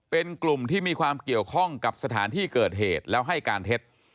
เป็นกลุ่มที่มีความเกี่ยวข้องกับสถานที่เกิดเหตุแล้วให้การเท็จ